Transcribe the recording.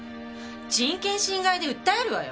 人権侵害で訴えるわよ。